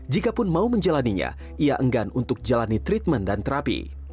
jikapun mau menjalannya ia enggan untuk jalani treatment dan terapi